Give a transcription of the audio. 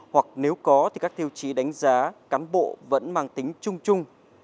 hoặc nếu có thì các tiêu chí đánh giá cán bộ vẫn mang tính chung chung